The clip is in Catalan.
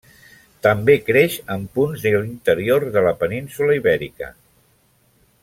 També creix en punts de l'interior de la península Ibèrica.